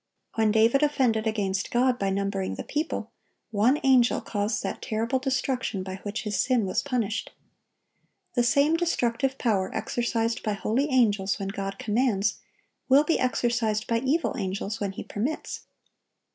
When David offended against God by numbering the people, one angel caused that terrible destruction by which his sin was punished. The same destructive power exercised by holy angels when God commands, will be exercised by evil angels when He permits.